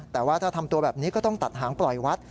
แต่ว่าถ้าทำตัวแบบนี้ก็ต้องตัดหางปล่อยวัด